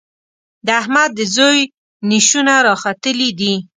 د احمد د زوی نېښونه راختلي دي.